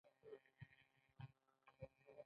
هغوی د دښته په خوا کې تیرو یادونو خبرې کړې.